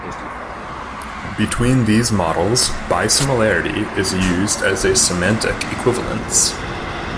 Between these models, bisimilarity is used as a semantic equivalence.